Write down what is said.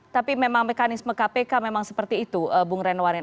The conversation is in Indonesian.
tapi memang mekanisme kpk itu tidak terlalu banyak